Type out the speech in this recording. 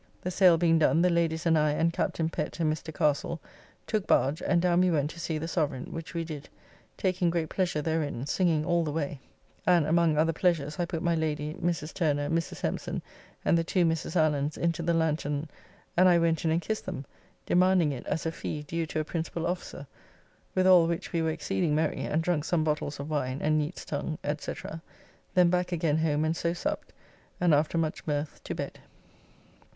The sale being done, the ladies and I and Captain Pett and Mr. Castle took barge and down we went to see the Sovereign, which we did, taking great pleasure therein, singing all the way, and, among other pleasures, I put my Lady, Mrs. Turner, Mrs. Hempson, and the two Mrs. Allens into the lanthorn and I went in and kissed them, demanding it as a fee due to a principall officer, with all which we were exceeding merry, and drunk some bottles of wine and neat's tongue, &c. Then back again home and so supped, and after much mirth to bed.